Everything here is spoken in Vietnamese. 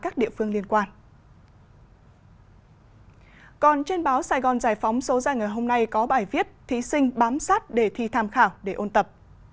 còn trên báo sài gòn giải phóng số giai ngợi hôm nay có bài viết thí sinh bám sát để thi tham khảo để ôn tập